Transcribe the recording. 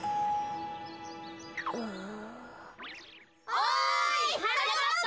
・おいはなかっぱ！